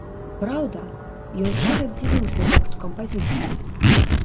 Праўда, ён шчыра здзівіўся тэксту кампазіцыі.